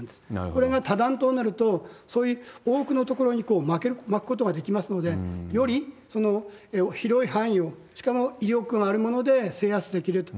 それが多弾頭になると、そういう多くの所にまくことができますので、より広い範囲を、しかも威力のあるもので制圧できると。